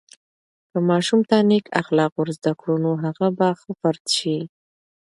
که ماشوم ته نیک اخلاق ورزده کړو، نو هغه به ښه فرد سي.